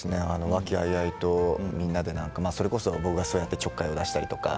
和気あいあいと、みんなでそれこそ僕がちょっかいを出したりとか。